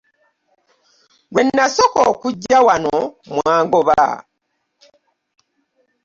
Lwe nasooka okujja wano mwaŋŋoola.